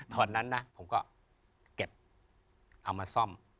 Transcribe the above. ตอนนั้นนะผมก็เก็บเอามาซ่อม